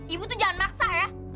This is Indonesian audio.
ibu tuh jangan maksa ya